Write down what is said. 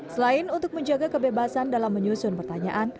selain untuk menjaga kebebasan dalam menyusun pertanyaan